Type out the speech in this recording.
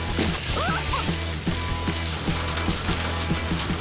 あっ！